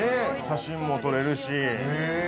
写真も撮れるし。